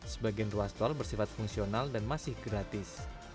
sebagian ruas tol bersifat fungsional dan masih gratis